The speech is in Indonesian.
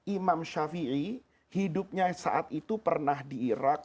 imam shafi'i hidupnya saat itu pernah di irak